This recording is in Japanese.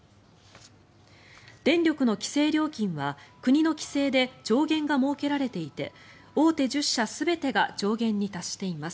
電力の規制料金は国の規制で上限が設けられていて大手１０社全てが上限に達しています。